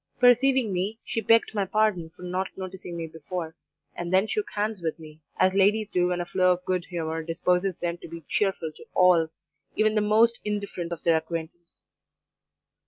Perceiving me, she begged my pardon for not noticing me before, and then shook hands with me, as ladies do when a flow of good humour disposes them to be cheerful to all, even the most indifferent of their acquaintance.